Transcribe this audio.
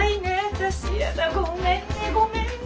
私やだごめんねごめんね！